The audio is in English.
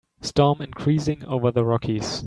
Storm increasing over the Rockies.